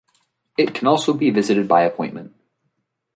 It can also be visited by appointment.